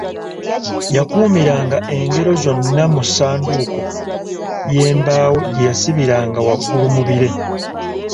Yakuumiranga engero zonna mu ssanduuko y'embaawo gye yasibiranga waggulu mu bire.